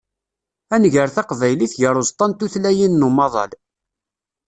Ad nger taqbaylit gar uẓeṭṭa n tutlayin n umaḍal.